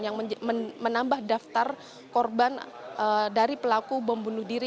yang menambah daftar korban dari pelaku bom benodiri